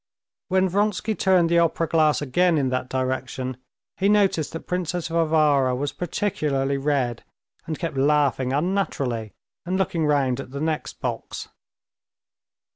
When Vronsky turned the opera glass again in that direction, he noticed that Princess Varvara was particularly red, and kept laughing unnaturally and looking round at the next box.